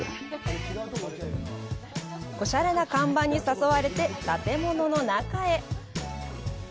おしゃれな看板に誘われて建物の中へ。